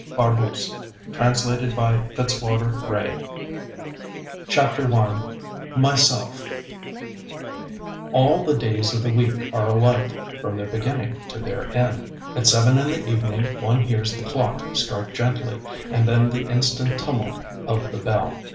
FACE TO FACE LIGHT CHAPTER I MYSELF All the days of the week are alike, from their beginning to their end. At seven in the evening one hears the clock strike gently, and then the instant tumult of the bell.